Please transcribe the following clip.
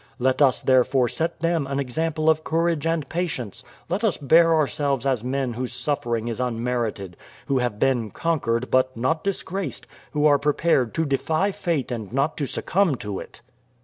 Let us therefore set them an example of courage and patience; let us bear ourselves as men whose suffering is unmerited, who have been conquered but not disgraced, who are prepared to defy fate and not to succumb to it."